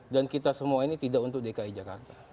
dan kita semua ini tidak untuk dki jakarta